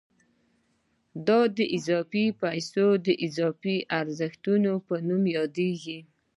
دا اضافي پیسې د اضافي ارزښت په نوم یادېږي